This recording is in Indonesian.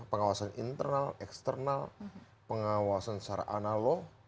pengawasan internal eksternal pengawasan secara analog